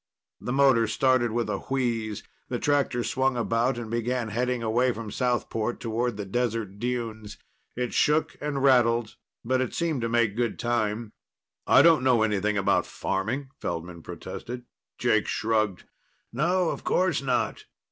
The motor started with a wheeze. The tractor swung about and began heading away from Southport toward the desert dunes. It shook and rattled, but it seemed to make good time. "I don't know anything about farming," Feldman protested. Jake shrugged. "No, of course not.